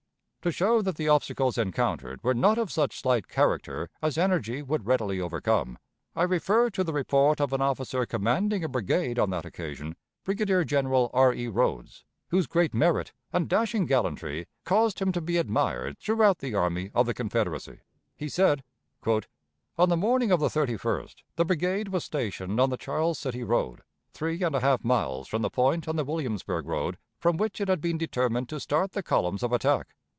To show that the obstacles encountered were not of such slight character as energy would readily overcome, I refer to the report of an officer commanding a brigade on that occasion, Brigadier General R. E. Rodes, whose great merit and dashing gallantry caused him to be admired throughout the army of the Confederacy. He said: "On the morning of the 31st the brigade was stationed on the Charles City road, three and a half miles from the point on the Williamsburg road from which it had been determined to start the columns of attack.